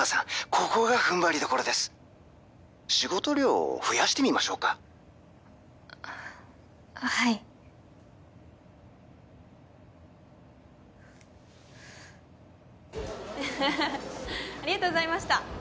ここがふんばりどころです☎仕事量を増やしてみましょうかはいありがとうございました